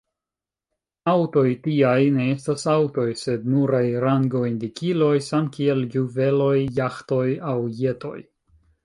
Aŭtoj tiaj ne estas aŭtoj sed nuraj rango-indikiloj, samkiel juveloj, jaĥtoj aŭ jetoj.